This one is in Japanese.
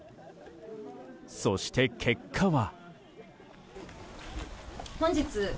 そして結果は。